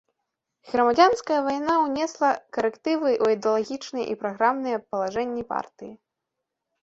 Грамадзянская вайна ўнесла карэктывы ў ідэалагічныя і праграмныя палажэнні партыі.